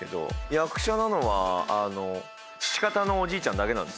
役者なのは父方のおじいちゃんだけなんですよ。